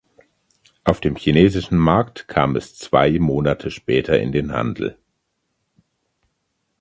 Auf dem chinesischen Markt kam es zwei Monate später in den Handel.